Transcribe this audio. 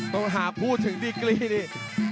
ต้องหาพูดถึงดีกรีนี่